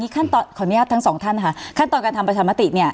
ขออนุญาตทั้งสองท่านค่ะขั้นตอนการทำประชามติ